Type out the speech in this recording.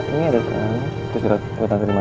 ini ada saran untuk saran kuota terima